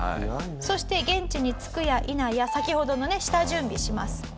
そして現地に着くやいなや先ほどのね下準備します。